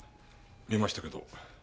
見ましたけど。